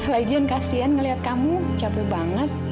lagian kasian melihat kamu capek banget